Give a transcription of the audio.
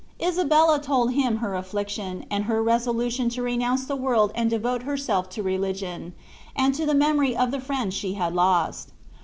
Isabella told him her affliction, and her resolution to renounce the world and devote herself to religion, and to the memory of the friend she had lost.